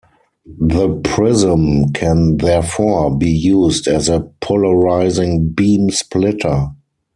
The prism can therefore be used as a polarizing beam splitter.